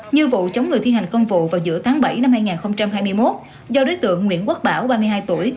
như vụ chống người thi hành công vụ vào giữa tháng bảy năm hai nghìn hai mươi một do đối tượng nguyễn quốc bảo ba mươi hai tuổi